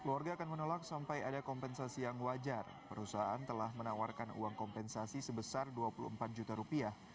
keluarga akan menolak sampai ada kompensasi yang wajar perusahaan telah menawarkan uang kompensasi sebesar dua puluh empat juta rupiah